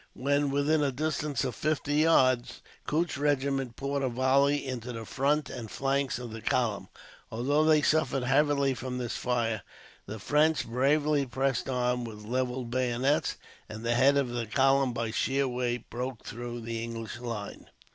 When within a distance of fifty yards, Coote's regiment poured a volley into the front and flanks of the column. Although they suffered heavily from this fire, the French bravely pressed on with levelled bayonets, and the head of the column, by sheer weight, broke through the English line.